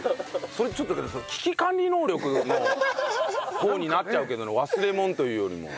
それちょっとでも危機管理能力の方になっちゃうけどね忘れ物というよりも。